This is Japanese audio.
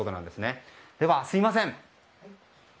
では、すみません。